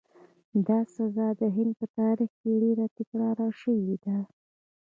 دا سزا د هند په تاریخ کې ډېره تکرار شوې ده.